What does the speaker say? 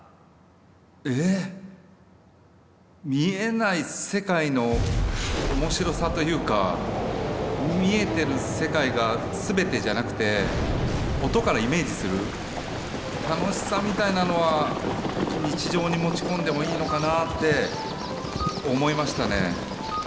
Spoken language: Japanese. え見えない世界の面白さというか見えてる世界が全てじゃなくて音からイメージする楽しさみたいなのは日常に持ち込んでもいいのかなぁって思いましたね。